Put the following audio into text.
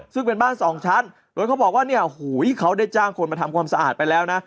ซึ่งเป็นบ้านสองชั้นโดยเขาบอกว่าเนี่ยหูยเขาได้จ้างคนมาทำความสะอาดไปแล้วนะ